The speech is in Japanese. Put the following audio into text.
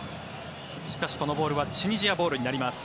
しかし、このボールはチュニジアボールになります。